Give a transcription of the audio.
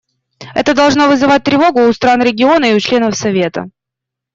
Это должно вызывать тревогу у стран региона и у членов Совета.